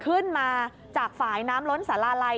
ใครพยายามที่จะเอารถขึ้นมาจากฝ่ายน้ำล้นสาราไล